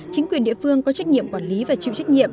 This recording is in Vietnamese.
chính quyền địa phương có trách nhiệm quản lý và chịu trách nhiệm